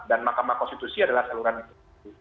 dan mahkamah konstitusi adalah saluran itu